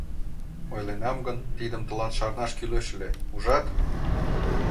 — Ойленам гын, тидым тылат шарнаш кӱлеш ыле, ужат!